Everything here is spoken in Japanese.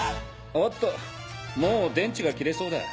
おっともう電池が切れそうだ。